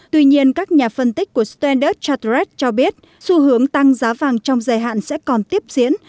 tuy nhiên các nhà phân tích của standard charterres cho biết xu hướng tăng giá vàng trong dài hạn sẽ còn tiếp diễn